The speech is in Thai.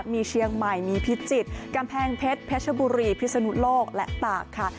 มีเชียงใหม่มีพิจิตรกำแพงเพชรเพชรบุรีพิศนุโลกและตากค่ะ